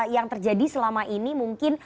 yang terjadi selama ini mungkin